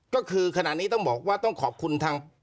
ก็คือขณะนี้ต้องบอกว่าต้องขอบคุณทาง